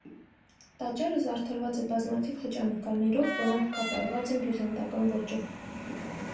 Տաճարը զարդարված է բազմաթիվ խճանկարներով, որոնք կատարված են բյուզանդական ոճով։